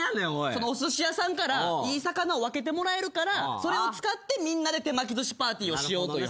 そのおすし屋さんからいい魚を分けてもらえるからそれを使ってみんなで手巻きずしパーティーをしようという話。